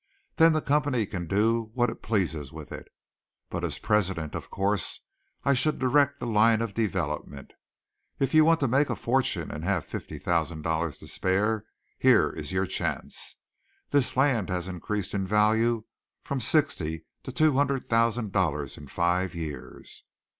Then the company can do what it pleases with it; but as president, of course, I should direct the line of development. If you want to make a fortune and have fifty thousand dollars to spare, here is your chance. This land has increased in value from sixty to two hundred thousand dollars in five years.